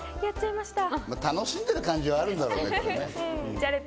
楽しんでる感じはあるんだろうね。